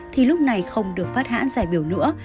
thì lúc này không được phát hoãn giải biểu nữa